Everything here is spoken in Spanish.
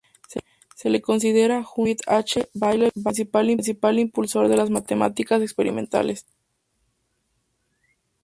Se le considera, junto con David H. Bailey, el principal impulsor de las matemática experimentales.